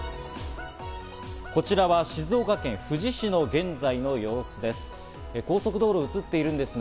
こちらは静岡県富士市の現在の様子です。